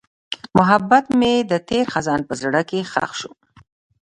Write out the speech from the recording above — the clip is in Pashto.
محبت مې د تېر خزان په زړه کې ښخ شو.